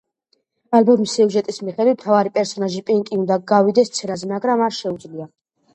ალბომის სიუჟეტის მიხედვით, მთავარი პერსონაჟი პინკი უნდა გავიდეს სცენაზე, მაგრამ არ შეუძლია.